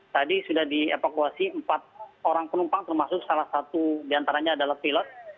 tadi sudah dievakuasi empat orang penumpang termasuk salah satu diantaranya adalah pilot